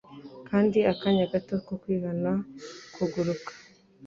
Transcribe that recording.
Kandi akanya gato ko kwihana kuguruka